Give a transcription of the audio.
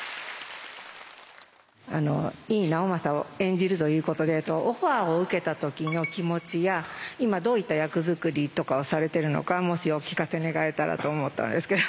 井伊直政を演じるということでオファーを受けた時の気持ちや今どういった役作りとかをされてるのかもしお聞かせ願えたらと思ったんですけど。